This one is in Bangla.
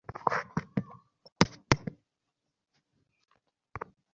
তিনি অভিভাবকের দায়িত্ব পালন করেছেন।